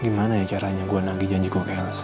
gimana ya caranya gue nagih janji gue ke elsa